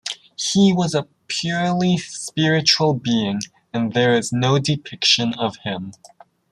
He was a purely spiritual being and there is no depiction of him.